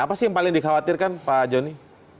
apa sih yang paling dikhawatirkan pak joni